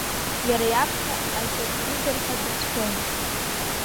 Иара иаԥхьа аӡәы акы ихьыр ҳәа дацәшәон.